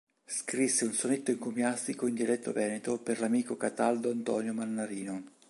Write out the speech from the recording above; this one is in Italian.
Scrisse un sonetto encomiastico in dialetto veneto per l'amico Cataldo Antonio Mannarino.